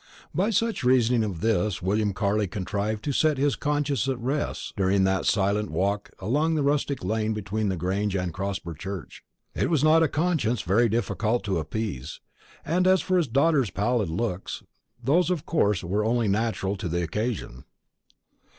By such reasoning as this William Carley contrived to set his conscience at rest during that silent walk along the rustic lane between the Grange and Crosber church. It was not a conscience very difficult to appease. And as for his daughter's pallid looks, those of course were only natural to the occasion.